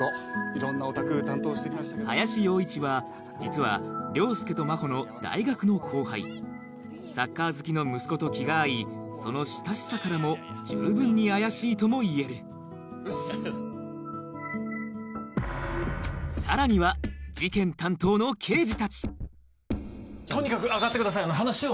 林洋一は実は凌介と真帆の大学の後輩サッカー好きの息子と気が合いその親しさからも十分に怪しいともいえるさらには事件担当の刑事たちとにかく上がってください話を。